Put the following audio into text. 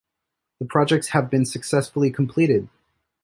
The projects have been successfully completed.